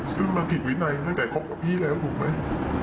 ซึ่งมันผิดวินัยตั้งแต่คบกับพี่แล้วถูกไหม